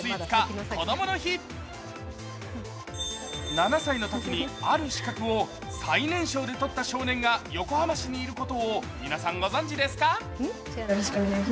７歳のときに、ある資格を最年少でとった少年が横浜市にいることを皆さん、ご存じですか？